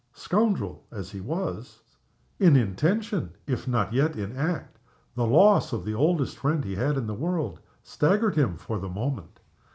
Scoundrel as he was in intention, if not yet in act the loss of the oldest friend he had in the world staggered him for the moment.